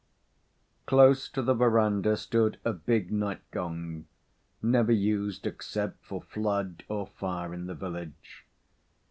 Close to the verandah stood a big night gong, never used except for flood, or fire in the village.